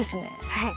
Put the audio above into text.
はい。